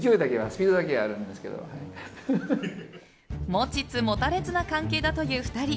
持ちつ持たれつな関係だという２人。